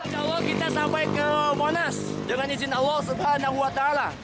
kami akan berjalan ke monas dengan izin allah swt